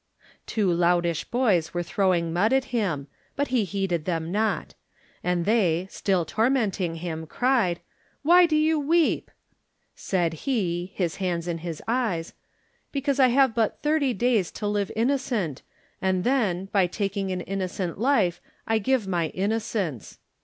Two loutish boys were throwing mud at him, but he heeded them not; and they, still tormenting him, cried, "Why do you weep?" Said he, his hands in his eyes, ^* Because I have but thirty days to live innocent, and then, by taking an innocent life I give my innocence."